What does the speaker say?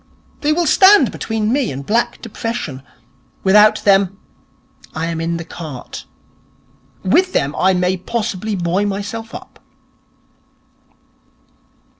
They will stand between me and black depression. Without them I am in the cart. With them I may possibly buoy myself up.'